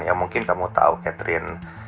ya mungkin kamu tahu catherine